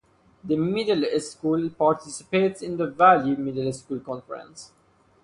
The Middle School participates in the Valley Middle School Conference.